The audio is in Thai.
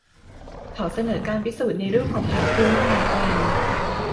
เขาเสนอการพิสูจน์ในรูปของแผนภูมิขนาดใหญ่